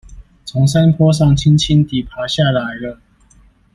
從山坡上輕輕地爬下來了